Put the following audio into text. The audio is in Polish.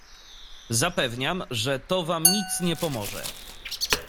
"Zapewniam, że to wam nic nie pomoże."